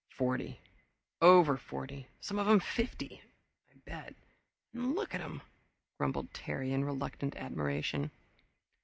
"Forty over forty some of 'em fifty, I bet and look at 'em!" grumbled Terry in reluctant admiration.